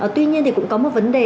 tuy nhiên thì cũng có một vấn đề